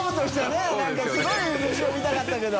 何かすごい渦潮見たかったけど。